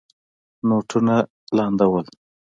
نوټونه لانده ول.